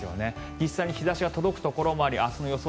実際に日差しが届くところもあり明日の予想